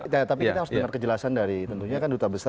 tapi kita harus dengar kejelasan dari tentunya kan duta besar